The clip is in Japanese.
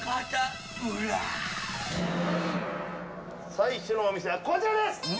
最初のお店はこちらです。